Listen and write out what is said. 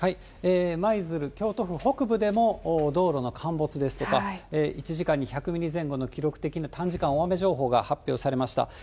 舞鶴、京都府北部でも、道路の陥没ですとか、１時間に１００ミリ前後の記録的な短時間大雨情報が発表されました。